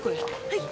はい！